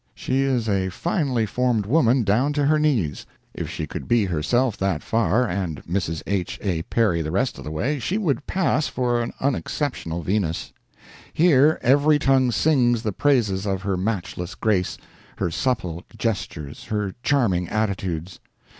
She is a finely formed woman down to her knees; if she could be herself that far, and Mrs. H. A. Perry the rest of the way, she would pass for an unexceptionable Venus. Here every tongue sings the praises of her matchless grace, her supple gestures, her charming attitudes.